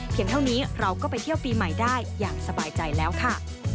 เท่านี้เราก็ไปเที่ยวปีใหม่ได้อย่างสบายใจแล้วค่ะ